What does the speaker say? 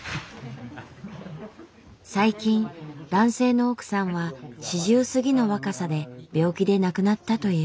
最近男性の奥さんは四十過ぎの若さで病気で亡くなったという。